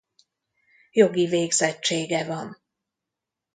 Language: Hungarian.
Jogi végzettsége van.